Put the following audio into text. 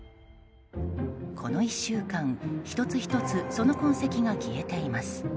この１週間、１つ１つその痕跡が消えています。